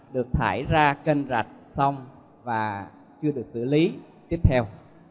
được thải ra kênh rạch xong và chưa được xử lý tiếp theo